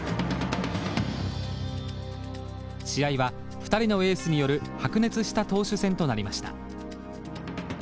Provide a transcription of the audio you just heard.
試合は２人のエースによる白熱した投手戦となりました。